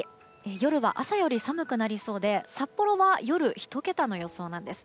夜は朝より寒くなりそうで札幌は夜１桁の予想なんです。